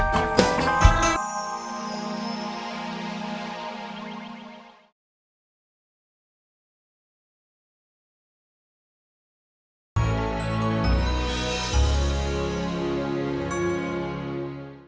terima kasih kang